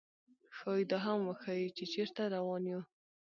ښايي دا هم وښيي، چې چېرته روان یو.